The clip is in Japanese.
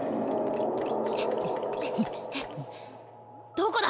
どこだ？